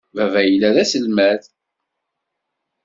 Baba yella d aselmad.